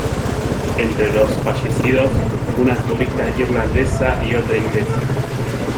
Entre los fallecidos: una turista irlandesa y otra inglesa.